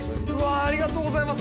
ありがとうございます。